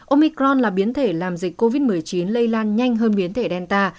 omicron là biến thể làm dịch covid một mươi chín lây lan nhanh hơn biến thể delta